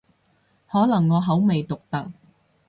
可能我口味獨特